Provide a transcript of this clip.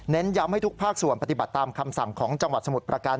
ย้ำให้ทุกภาคส่วนปฏิบัติตามคำสั่งของจังหวัดสมุทรประการ